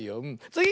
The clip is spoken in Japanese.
つぎ！